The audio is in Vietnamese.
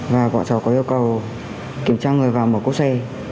và bọn chó có yêu cầu kiểm tra người vào một cốt xe